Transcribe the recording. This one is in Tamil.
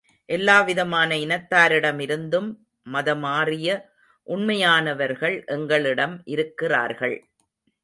எல்லாவிதமான இனத்தாரிடமிருந்தும் மதமாறிய உண்மையானவர்கள் எங்களிடம் இருக்கிறார்கள்.